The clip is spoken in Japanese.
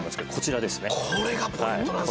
これがポイントなんです。